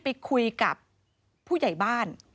ไปคุยกับผู้ใหญ่บ้าน